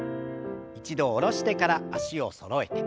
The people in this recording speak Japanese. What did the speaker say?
一度下ろしてから脚をそろえて。